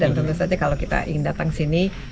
dan tentu saja kalau kita ingin datang ke sini